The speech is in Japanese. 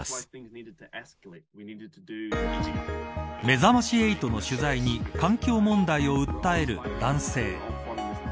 めざまし８の取材に環境問題を訴える男性。